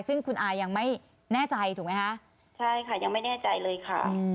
ซึ่งคุณอายังไม่แน่ใจถูกไหมคะใช่ค่ะยังไม่แน่ใจเลยค่ะ